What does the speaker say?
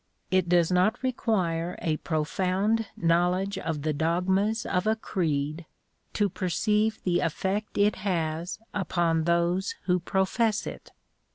It does not require a profound knowledge of the dogmas of a creed to perceive the effect it has upon those who profess it.